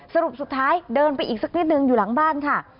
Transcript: สรุปสุดท้ายเดินไปอีกสักนิดนึงอยู่หลังบ้านค่ะ